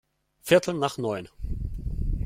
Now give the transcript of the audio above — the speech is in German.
Viertel nach neun.